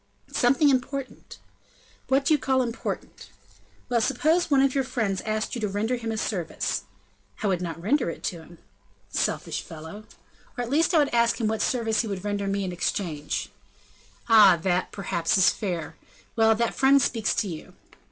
"Something important." "What do you call important?" "Well! suppose one of your friends asked you to render him a service?" "I would not render it to him." "Selfish fellow!" "Or at least I would ask him what service he would render me in exchange." "Ah! that, perhaps, is fair. Well, that friend speaks to you."